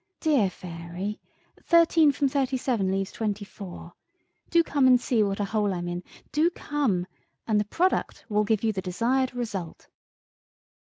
Dear Fairy. Thirteen from thirty seven leaves twenty four. Do come and see what a hole I'm in—do come—and the product will give you the desired result!"